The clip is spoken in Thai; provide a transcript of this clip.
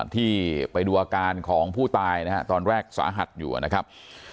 ที่ไปดูอาการของผู้ตายนะฮะตอนแรกสาหัสอยู่นะครับ